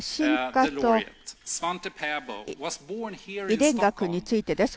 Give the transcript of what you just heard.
遺伝学についてです。